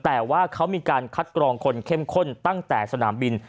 แต่ว่าเขามีการคัดกรองคนเข้มข้นตั้งแต่สนามบิน